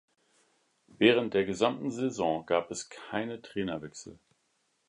Während der gesamten Saison gab es keine Trainerwechsel.